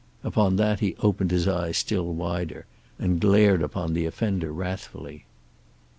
Upon that he opened his eyes still wider, and glared upon the offender wrathfully.